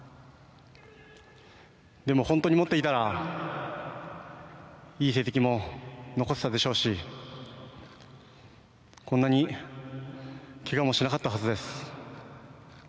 でも本当に持っていたら、いい成績も残せたでしょうし、こんなにけがもしなかったはずです。